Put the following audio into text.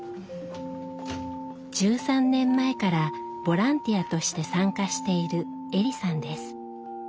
１３年前からボランティアとして参加しているエリさんです。